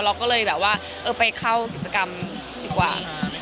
เราก็เลยไปเข้ากิจกรรมดีกว่า